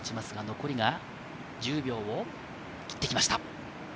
残りが１０秒を切ってきました。